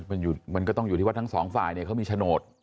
มันก็ต้องอยู่ที่ว่าทั้งสองฝ่ายเนี่ยเขามีโฉนด